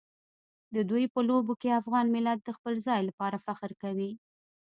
د دوی په لوبو کې افغان ملت د خپل ځای لپاره فخر کوي.